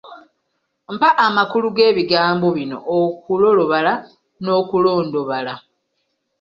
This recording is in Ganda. Mpa amakulu g'ebigambo okulolobala n'okulondobala.